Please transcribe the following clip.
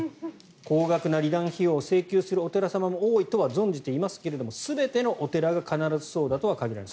高額な離檀料を請求するお寺様も多いとは存じていますが全てのお寺が必ずそうだとは限らない。